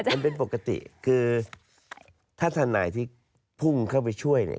มันเป็นปกติคือถ้าทนายที่พุ่งเข้าไปช่วยเนี่ย